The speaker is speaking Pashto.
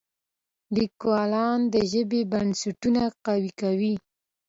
لیکوالان د ژبې بنسټونه قوي کوي.